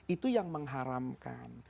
itu yang mengharamkan